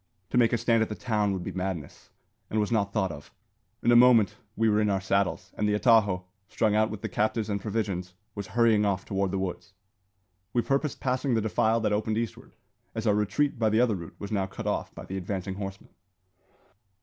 To make a stand at the town would be madness, and was not thought of. In a moment we were in our saddles; and the atajo, strung out with the captives and provisions, was hurrying off toward the woods. We purposed passing the defile that opened eastward, as our retreat by the other route was now cut off by the advancing horsemen.